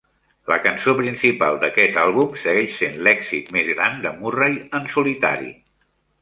La cançó principal d'aquest àlbum segueix sent l'èxit més gran de Murray en solitari.